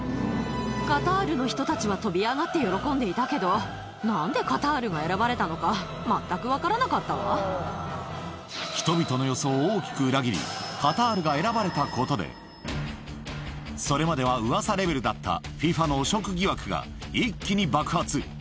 カタールの人たちは跳び上がって喜んでいたけど、なんでカタールが選ばれたのか全く分からな人々の予想を大きく裏切り、カタールが選ばれたことで、それまではうわさレベルだったＦＩＦＡの汚職疑惑が一気に爆発。